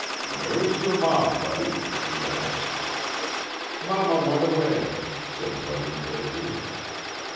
"Where is your ma, Buddy?" he asked. "Mama went away," said Buddy vaguely.